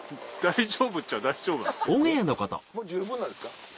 もう十分なんですか？